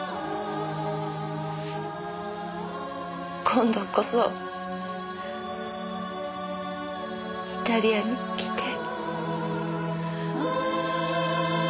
今度こそイタリアに来て。